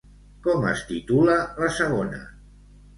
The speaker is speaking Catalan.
Com es titula la segona?